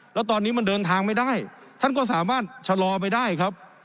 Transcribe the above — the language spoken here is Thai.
แล้วตอนนี้มันเดินทางไม่ได้ท่านก็สามารถชะลอไปได้ครับ